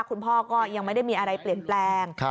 คุณพ่อก็ยังไม่ได้มีอะไรเปลี่ยนแปลง